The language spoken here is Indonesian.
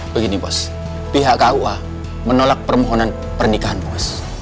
begini bos pihak kua menolak permohonan pernikahan bos